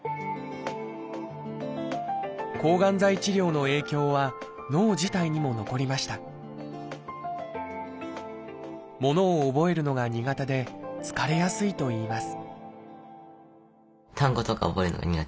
抗がん剤治療の影響は脳自体にも残りましたものを覚えるのが苦手で疲れやすいといいます